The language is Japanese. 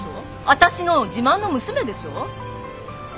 私の自慢の娘でしょ？